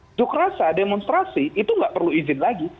unjuk rasa demonstrasi itu nggak perlu izin lagi